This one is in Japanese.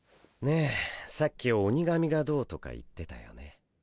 ねえさっき鬼神がどうとか言ってたよね。